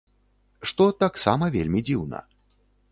Што таксама вельмі дзіўна.